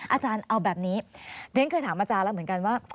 อาจารย์เอาแบบนี้เรียนเคยถามอาจารย์แล้วเหมือนกันว่า